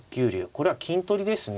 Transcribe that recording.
これは金取りですね。